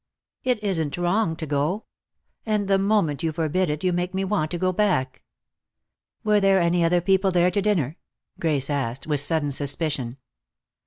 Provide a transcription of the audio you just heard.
It isn't wrong to go. And the moment you forbid it you make me want to go back." "Were there any other people there to dinner?" Grace asked, with sudden suspicion.